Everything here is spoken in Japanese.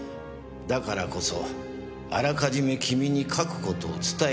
だからこそあらかじめ君に書く事を伝えたい。